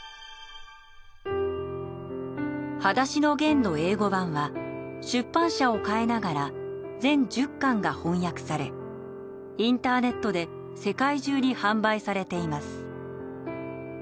『はだしのゲン』の英語版は出版社を変えながら全１０巻が翻訳されインターネットで世界中に販売されています。